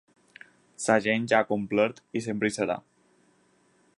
La gent ja ha complert i sempre hi serà.